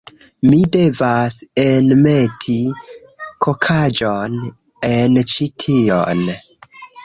Mi devas enmeti kokaĵon en ĉi tion